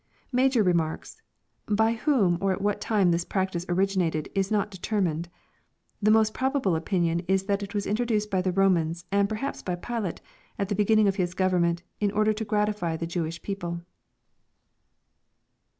] Majo: remarks, " By whom or at what time this practice origiaited, is not determined. The most probable opinion is that it was introduced by the Romans, and perhaps by Pilate, at the beginning of his government, in or der to gratify the Jewish people."